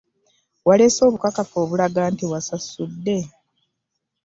Waleese obukakafu obulaga nti osasudde?